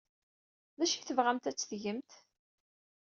D acu ay tebɣamt ad t-tgemt?